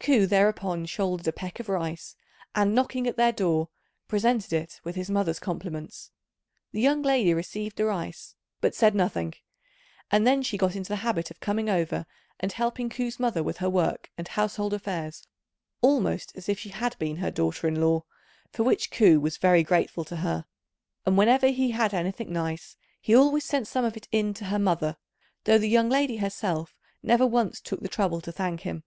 Ku thereupon shouldered a peck of rice, and, knocking at their door, presented it with his mother's compliments. The young lady received the rice but said nothing; and then she got into the habit of coming over and helping Ku's mother with her work and household affairs, almost as if she had been her daughter in law, for which Ku was very grateful to her, and whenever he had anything nice he always sent some of it in to her mother, though the young lady herself never once took the trouble to thank him.